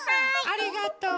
ありがとう。